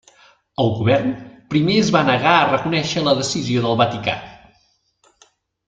El govern, primer es va negar a reconèixer la decisió del Vaticà.